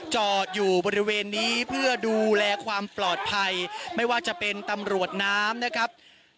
จอดอยู่บริเวณนี้เพื่อดูแลความปลอดภัยไม่ว่าจะเป็นตำรวจน้ำนะครับ